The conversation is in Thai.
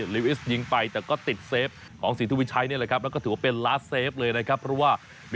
ก็จะทำกากเป็นพอรพฤตของทีมชาติไทยไปลองฟังบางตอนกันครับ